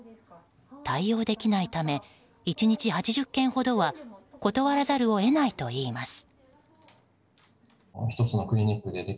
対応できないため１日８０件ほどは断らざるを得ないといいます。